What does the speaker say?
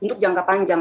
untuk jangka panjang